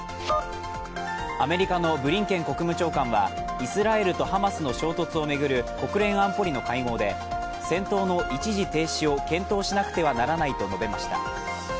アメリカのブリンケン国務長官はイスラエルとハマスの衝突を巡る国連安保理の会合で戦闘の一時停止を検討しなくてはならないと述べました。